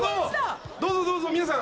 どうぞどうぞ皆さん。